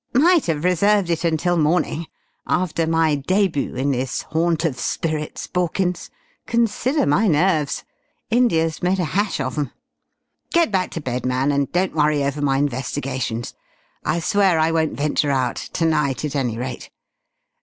"Might have reserved it until morning after my début in this haunt of spirits, Borkins. Consider my nerves. India's made a hash of 'em. Get back to bed, man, and don't worry over my investigations. I swear I won't venture out, to night at any rate.